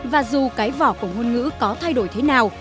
và dù cái vỏ của ngôn ngữ có thay đổi thế nào